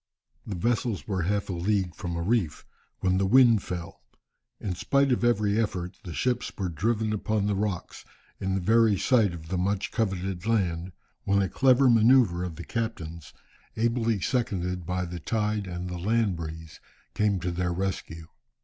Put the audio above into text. The vessels were half a league from a reef, when the wind fell. In spite of every effort, the ships were driven upon the rocks, in the very sight of the much coveted land, when a clever manoeuvre of the captain's, ably seconded by the tide and the land breeze, came to their rescue.